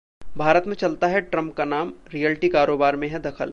भारत में चलता है ट्रंप का नाम, रियल्टी कारोबार में है दखल